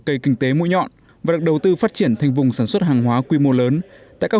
cây kinh tế mũi nhọn và được đầu tư phát triển thành vùng sản xuất hàng hóa quy mô lớn tại các